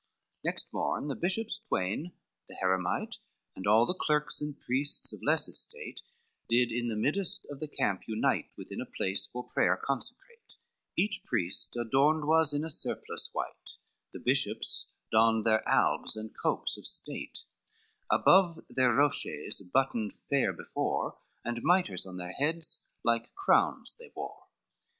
IV Next morn the bishops twain, the heremite, And all the clerks and priests of less estate, Did in the middest of the camp unite Within a place for prayer consecrate, Each priest adorned was in a surplice white, The bishops donned their albes and copes of state, Above their rochets buttoned fair before, And mitres on their heads like crowns they wore.